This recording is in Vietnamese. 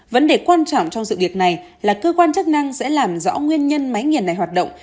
vấn đề quan trọng trong sự việc này là cơ quan chức năng sẽ làm rõ nguyên nhân máy nghiền này hoạt động